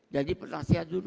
jadi penasihat dulu